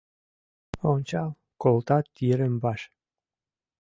Ончал колтат йырым-ваш